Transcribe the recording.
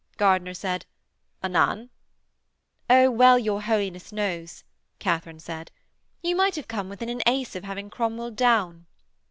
Gardiner said: 'Anan?' 'Oh, well your Holiness knows,' Katharine said. 'You might have come within an ace of having Cromwell down.'